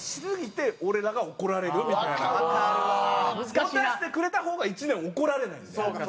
持たせてくれた方が１年怒られないんで。